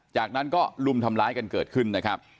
จากนั้นก็ลุมทำร้ายกันเกิดขึ้นนะครับ